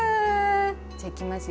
じゃあいきますよ。